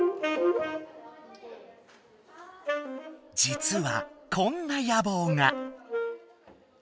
じつはこんなやぼうが。